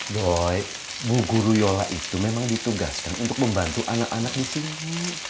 boy muguryola itu memang ditugaskan untuk membantu anak anak di sini